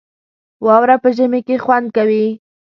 واوره په ژمي کې خوند کوي